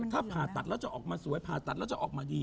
ถ้าผ่าตัดแล้วจะออกมาสวยผ่าตัดแล้วจะออกมาดี